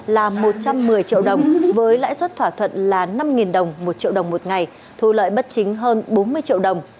công an tỉnh thái bình là một trăm một mươi triệu đồng với lãi suất thỏa thuận là năm đồng một triệu đồng một ngày thu lợi bất chính hơn bốn mươi triệu đồng